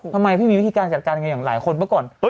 ทำไมพี่มีวิธีการจัดการกันอย่างหลายคนเมื่อก่อน